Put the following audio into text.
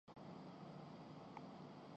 ان کے گرد گھیرا ہم تنگ کر دیں گے۔